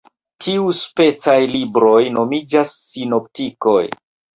Tiuspecaj libroj nomiĝas sinoptikoj.